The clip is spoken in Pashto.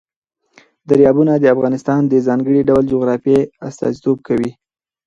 دریابونه د افغانستان د ځانګړي ډول جغرافیه استازیتوب کوي.